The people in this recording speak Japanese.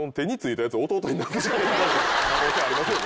可能性ありますよ